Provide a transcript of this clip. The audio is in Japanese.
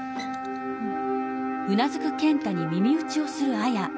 うん。